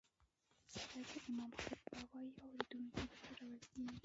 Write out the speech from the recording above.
کله چې امام خطبه وايي اوريدونکي به څه ډول کيني